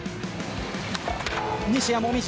西矢椛。